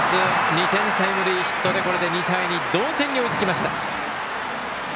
２点タイムリーヒットでこれで２対２同点に追いつきました。